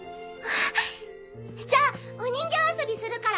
じゃあお人形遊びするから！